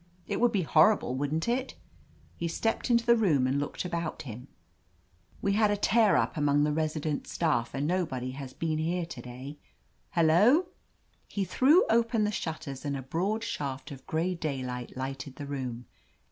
It would be horrible, wouldn't it?" He stepped into the room and looked about him. "Come in," he said. "It's a little close. We had a tear up among the resident staff, and no body has been here to day. Hello !" He threw open the shutters, and a broad shaft of gray daylight lighted the room.